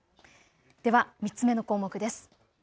では３つ目の項目です。